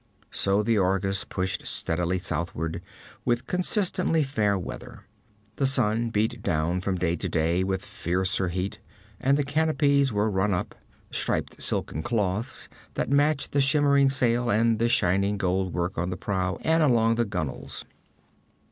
So the Argus pushed steadily southward, with consistently fair weather. The sun beat down from day to day with fiercer heat, and the canopies were run up striped silken cloths that matched the shimmering sail and the shining goldwork on the prow and along the gunwales.